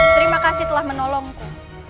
terima kasih telah menolongku